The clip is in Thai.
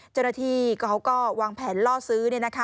เจ้าหน้าที่เขาก็วางแผนล่อซื้อ